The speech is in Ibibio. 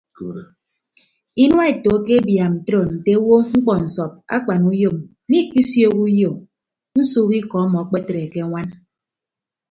Inua eto akebiaam ntoro nte owo mkpọ nsọp akpanuyom mmikpisiooho uyo nsuuk ikọ ọmọ akpetre ke añwan.